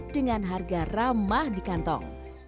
dengan harga ramah di kantong